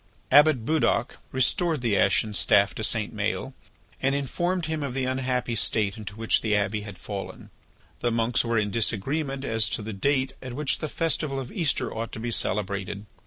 Abbot Budoc restored the ashen staff to St. Maël and informed him of the unhappy state into which the Abbey had fallen. The monks were in disagreement as to the date on which the festival of Easter ought to be celebrated.